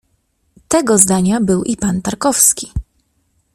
Tego zdania był i pan Tarkowski.